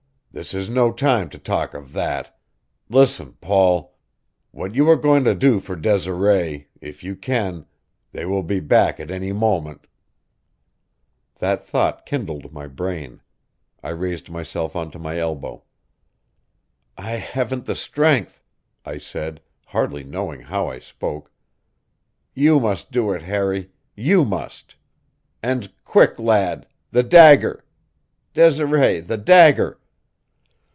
This is no time to talk of that. Listen, Paul what you were going to do for Desiree if you can they will be back at any moment " That thought kindled my brain; I raised myself onto my elbow. "I haven't the strength," I said, hardly knowing how I spoke. "You must do it, Harry; you must. And quick, lad! The dagger! Desiree the dagger!"